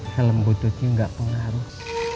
helm bututnya gak pengaruh